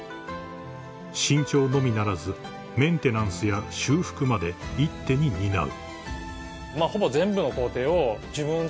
［新調のみならずメンテナンスや修復まで一手に担う］